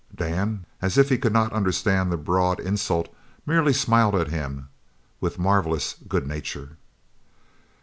Dan, as if he could not understand the broad insult, merely smiled at him with marvellous good nature.